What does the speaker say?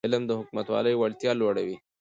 علم د حکومتولی وړتیا لوړوي.